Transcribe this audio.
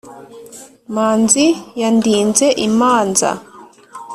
Manzi yandinze imanza,